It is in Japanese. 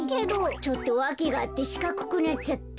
ちょっとわけがあってしかくくなっちゃって。